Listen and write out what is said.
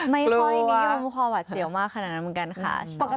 ไม่ค่อยนิยมความหวัดเสียวมากขนาดนั้นเหมือนกันค่ะ